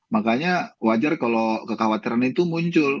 makanya wajar kalau kekhawatiran itu muncul